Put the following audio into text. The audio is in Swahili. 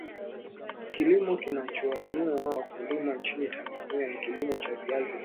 kilimo kinachowainua wakulima nchini Tanzania ni kilimo cha viazi lishe